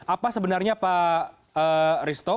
apa sebenarnya pak risto